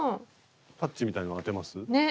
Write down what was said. パッチみたいなの当てます？ね！